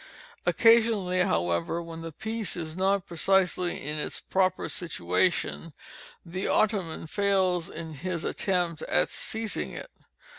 Occasionally, however, when the piece is not precisely in its proper situation, the Automaton fails in his attempt at seizing it.